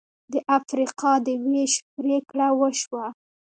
د افریقا د وېش پرېکړه وشوه.